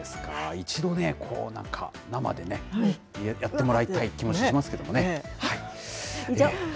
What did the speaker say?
一度ね、なんか、生でね、やってもらいたい気もしますけれどもね。